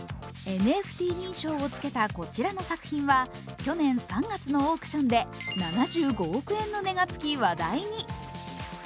ＮＦＴ認証をつけた、こちらの作品は去年３月のオークションで７５億円の値がつき、話題に。